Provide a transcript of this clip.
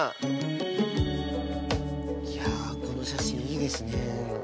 いやこの写真いいですね。